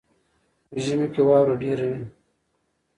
په ژمي کې واوره ډېره وي.